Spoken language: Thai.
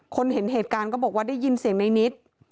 เห็นเหตุการณ์ก็บอกว่าได้ยินเสียงในนิด